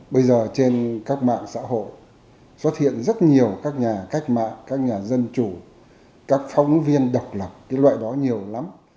bây giờ trên các mạng xã hội xuất hiện rất nhiều các nhà cách mạng các nhà dân chủ các phóng viên độc lập cái loại đó nhiều lắm